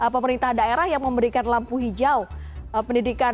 pemerintah daerah yang memberikan latihan untuk mereka yang berada di sekolah ini